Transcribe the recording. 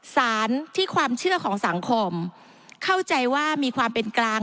สารที่ความเชื่อของสังคมเข้าใจว่ามีความเป็นกลาง